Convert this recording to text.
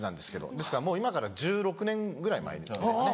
ですからもう今から１６年ぐらい前ですね。